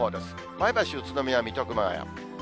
前橋、宇都宮、水戸、熊谷。